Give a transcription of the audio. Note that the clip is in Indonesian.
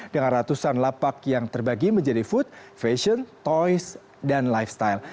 dengan ratusan lapak yang terbagi menjadi food fashion toys dan lifestyle